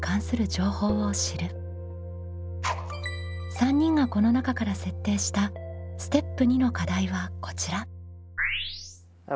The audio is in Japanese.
３人がこの中から設定したステップ２の課題はこちら。